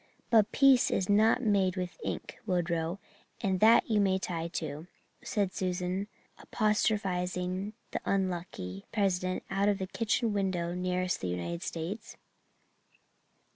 But peace is not made with ink, Woodrow, and that you may tie to," said Susan, apostrophizing the unlucky President out of the kitchen window nearest the United States.